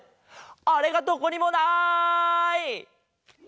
あれがどこにもない！